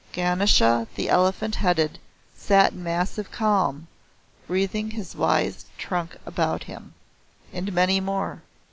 Ganesha the Elephant Headed, sat in massive calm, wreathing his wise trunk about him. And many more.